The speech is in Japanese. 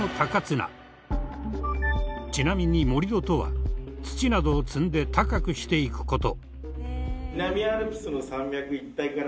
ちなみに盛土とは土などを積んで高くしていく事。